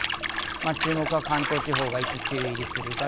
注目は関東地方がいつ梅雨入りするか。